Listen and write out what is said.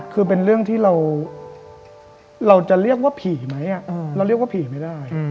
คือเป็นเรื่องที่เราจะเรียกว่าผีไหมเราเรียกว่าผีไม่ได้